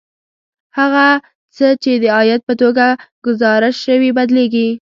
هغه څه چې د عاید په توګه ګزارش شوي بدلېږي